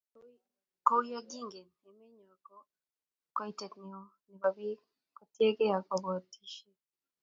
Kouye kingen emenyo ko koitet neo nebo bik kotiegei kobotisiet